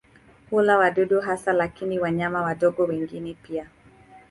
Hula wadudu hasa lakini wanyama wadogo wengine pia.